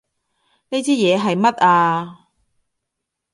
呢支嘢係乜啊？